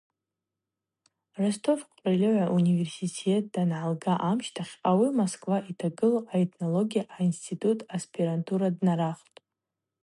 Ростов къральыгӏва университет дангӏалга амщтахь ауи Москва йтагылу аэтнология а-Институт аспирантура днарахвтӏ.